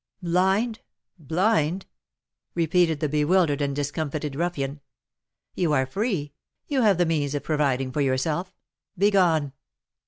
"Blind! blind!" repeated the bewildered and discomfited ruffian. "You are free; you have the means of providing for yourself; begone!"